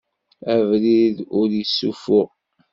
Abrid-a ur yessuffuɣ.